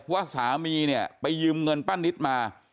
ว่าสามีไปยืมเงินป้านนิทมา